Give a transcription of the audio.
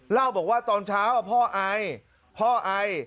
เล่าบอกว่าตอนเช้าพ่อไอพ่อไอ